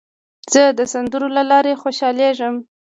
زه د سندرو له لارې خوشحالېږم.